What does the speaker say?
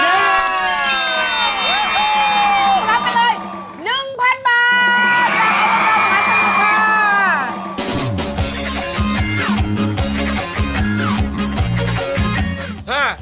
รับไปเลยหนึ่งพันบาท